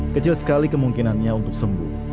kecil sekali kemungkinannya untuk sembuh